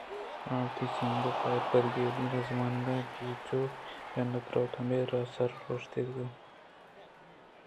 آ وتی سینگ ءَ فائر بریگیڈئر ءِ زمانگ ءِ بیج ءَ جنت روت ہمے راہ سر ءَ اوشتیت ءُودار کنت کہ بہ گندے کسے آئی ءَ را دپی وشاتکے بہ کنت